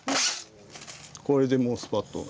これでもうスパッと。